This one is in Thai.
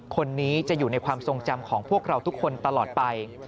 คนนี้จะอยู่ในความทรงจำของพวกเราทุกคนตลอดไป